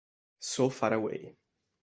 So Far Away